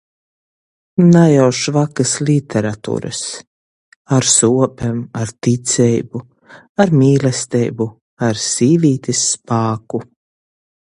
Na jau švakys literaturys – ar suopem, ar ticeibu, ar mīlesteibu, ar sīvītis spāku.